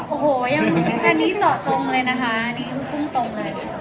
โอ้โหยังอันนี้เจาะตรงเลยนะคะอันนี้คือพุ่งตรงเลย